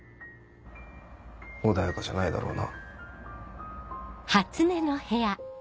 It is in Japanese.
穏やかじゃないだろうな。